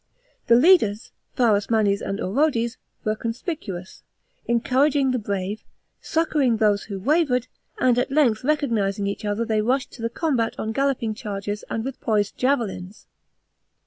The leaders, Pharas manes and Orodes, were conspicuous, encouraging the brave, succouring those who wavered; and at length recognising each other they rushed to the combat on galloping chargers and with poised javelins.